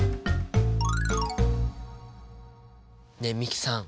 ねえ美樹さん